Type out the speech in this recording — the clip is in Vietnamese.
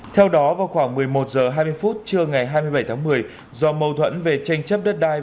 theo đó vào khoảng một mươi một h hai mươi phút trưa ngày hai mươi bảy tháng một mươi do mâu thuẫn về tranh chấp đất đai